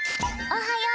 おはよう。